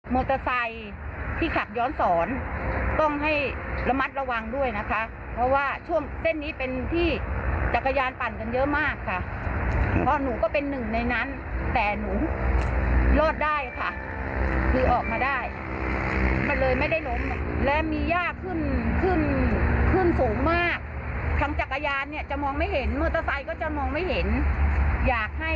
มอเตอร์ไซค์ก็จะมองไม่เห็นอยากให้ผู้ที่เกี่ยวข้องช่วยแบบมาตัดให้หน่อย